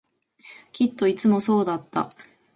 きっといつもそうだった